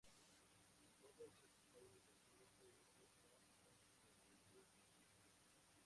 En todos estos países el grupo hizo sold out durante sus presentaciones.